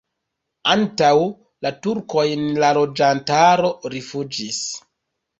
Antaŭ la turkojn la loĝantaro rifuĝis.